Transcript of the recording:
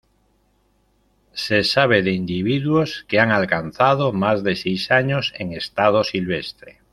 Se sabe de individuos que han alcanzado más de seis años en estado silvestre.